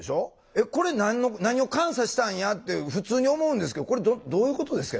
えっこれ何を監査したんやって普通に思うんですけどこれどういうことですか？